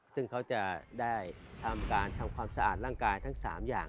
ซึ่งเขาจะได้ทำการทำความสะอาดร่างกายทั้ง๓อย่าง